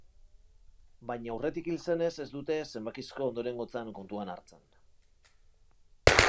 Baina aurretik hil zenez ez dute zenbakizko ondorengotzan kontuan hartzen.